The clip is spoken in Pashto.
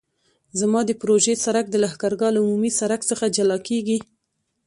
زما د پروژې سرک د لښکرګاه له عمومي سرک څخه جلا کیږي